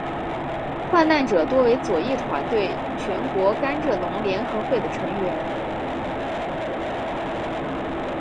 罹难者多为左翼团体全国甘蔗农联合会的成员。